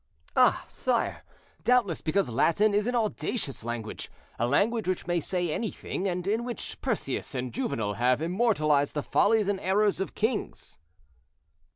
"Ah! sire, doubtless because Latin is an audacious language—a language which may say anything, and in which Persius and Juvenal have immortalized the follies and errors of kings."